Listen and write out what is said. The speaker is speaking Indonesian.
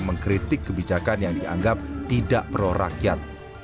mengkritik kebijakan yang dianggap tidak pro rakyat